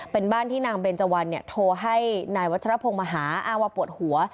เป็นบ้านที่นางเบนเจวันโทรให้นายวัชรพงศ์มาหาอ้างว่าปวดหัว